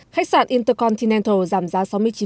khách sạn intercontinental giảm giá sáu mươi chín